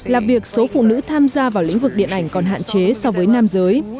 là việc số phụ nữ tham gia vào lĩnh vực điện ảnh còn hạn chế so với nam giới